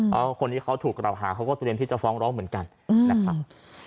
เพราะคนที่เขาถูกกล่าวหาเขาก็เตรียมที่จะฟ้องร้องเหมือนกันนะครับ